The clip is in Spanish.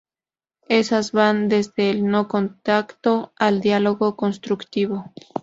Esas van desde el "no contacto" al "diálogo constructivo".